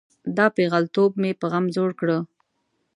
دا پیغلتوب مې په غم زوړ کړه.